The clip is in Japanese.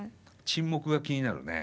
沈黙が気になるね。